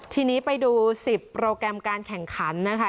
ทีนี้ไปดู๑๐โปรแกรมการแข่งขันนะคะ